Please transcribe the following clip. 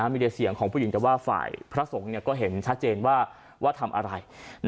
มีแต่เสียงของผู้หญิงแต่ว่าฝ่ายพระสงฆ์ก็เห็นชัดเจนว่าทำอะไร